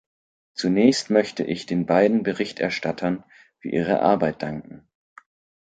Zunächst möchte ich den beiden Berichterstattern für ihre Arbeit danken.